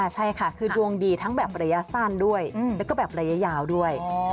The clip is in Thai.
ใช่ค่ะคือดวงดีทั้งแบบระยะสั้นด้วยแล้วก็แบบระยะยาวด้วย